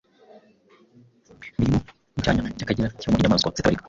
birimo n’Icyanya cy’Akagera kibamo inyamaswa zitabarika.